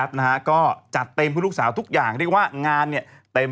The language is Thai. พอเหอะเลิกกันไปในที